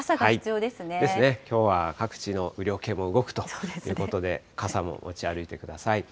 きょうは各地の雨量計も動くということで、傘も持ち歩いてください。